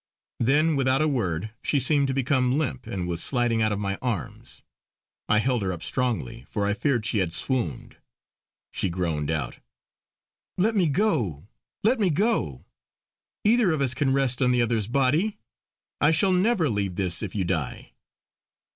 Then without a word she seemed to become limp and was sliding out of my arms. I held her up strongly, for I feared she had swooned: she groaned out: "Let me go, let me go! Either of us can rest on the other's body. I shall never leave this if you die."